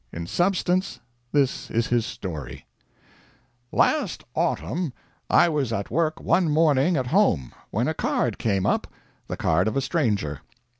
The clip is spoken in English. In substance, this is his story: "Last autumn I was at work one morning at home, when a card came up the card of a stranger.